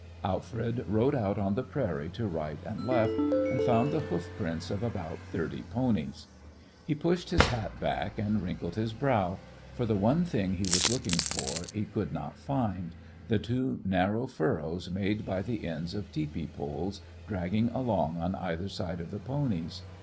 Alfred rode out on the prairie to right and left, and found the hoof prints of about thirty ponies. He pushed his hat back and wrinkled his brow, for the one thing he was looking for he could not find the two narrow furrows made by the ends of teepee poles dragging along on either side of the ponies.